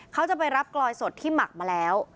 เขาจะไปรับกลอยสดที่หมักมาแล้ว